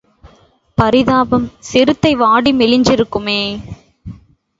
பரிதாபம் சிறுத்தை வாடி மெலிஞ்சிருக்குமே..?